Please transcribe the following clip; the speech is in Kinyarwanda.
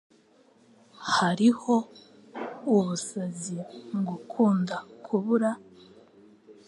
Hariho ubusazi mu kugukunda, kubura